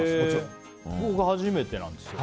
僕、初めてなんですよ。